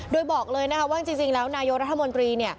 โดยบอกเลยนะคะว่าจริงแล้วนายกรัฐมนตรี